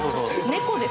猫です